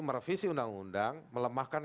merevisi undang undang melemahkan